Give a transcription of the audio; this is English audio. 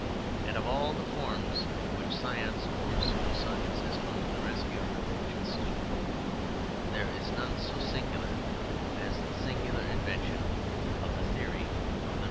And of all the forms in which science, or pseudo science, has come to the rescue of the rich and stupid, there is none so singular as the singular invention of the theory of races.